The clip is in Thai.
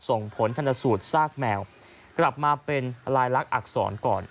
ส่งผลชนสูตรซากแมวกลับมาเป็นลายลักษณอักษรก่อน